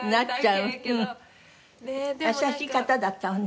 優しい方だったわね。